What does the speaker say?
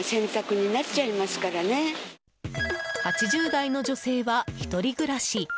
８０代の女性は１人暮らし。